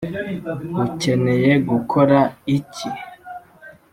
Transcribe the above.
ukeneye gukora iki